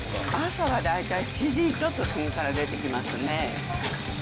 朝は大体、７時ちょっと過ぎから出てきますね。